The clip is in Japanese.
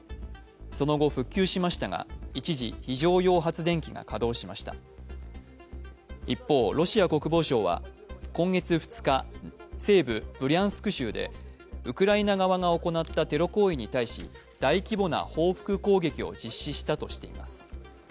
その後復旧しましたが一時、非常用発電機が稼働しました一方、ロシア国防省は今月２日、西部ブリャンスク州でウクライナ側が行ったテロ行為に対し大規模な報復攻撃を実施したとしています。